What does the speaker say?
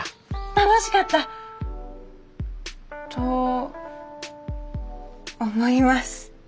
楽しかった！と思います。